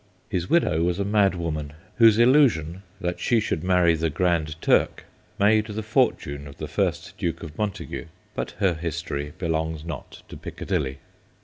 His widow was a madwoman, whose illusion, that she should marry the Grand Turk, made the fortune of the first Duke of Montagu ; but her history belongs not to Piccadilly.